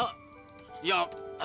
emang es kedik ya nana